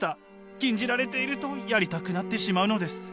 禁じられているとやりたくなってしまうのです。